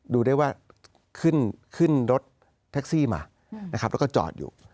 ดูได้ว่าขึ้นรถแท็กซี่มานะครับแล้วก็จอดอยู่